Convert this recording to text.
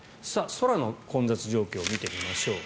空の混雑状況を見てみましょう。